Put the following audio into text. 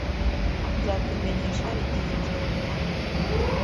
Nzakumenyesha igihe byemejwe.